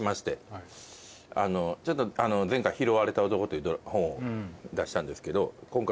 前回『拾われた男』という本を出したんですけど今回。